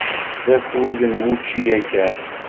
D akud n wučči yakan.